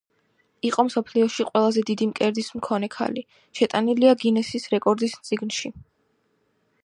იყო მსოფლიოში ყველაზე დიდი მკერდის მქონე ქალი, შეტანილია გინესის რეკორდის წიგნში.